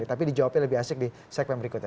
tapi dijawabnya lebih asik di segmen berikutnya